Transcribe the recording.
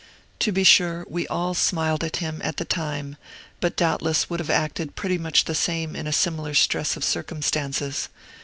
To be sure, we all smiled at him, at the time, but doubtless would have acted pretty much the same in a similar stress of circumstances.